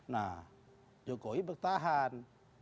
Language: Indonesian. nah jokowi bertahan